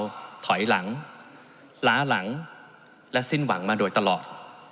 นำพาประเทศเราถอยหลังล้าหลังและสิ้นหวังมาโดยตลอด